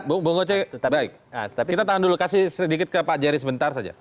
oke bu ngoce baik kita tahan dulu kasih sedikit ke pak jari sebentar saja